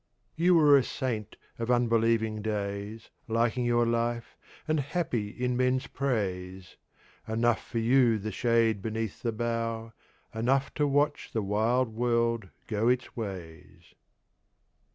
You were a Saint of unbelieving days, Liking your Life and happy in men's Praise; Enough for you the Shade beneath the Bough, Enough to watch the wild World go its Ways.